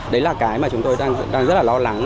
đấy là cái mà chúng tôi đang rất là lo lắng